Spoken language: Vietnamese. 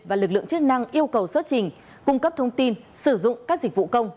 và lực lượng chức năng yêu cầu xuất trình cung cấp thông tin sử dụng các dịch vụ công